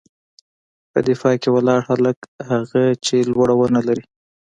_په دفاع کې ولاړ هلک، هغه چې لوړه ونه لري.